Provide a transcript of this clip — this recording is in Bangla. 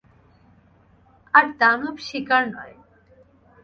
আর দানব শিকার নয়!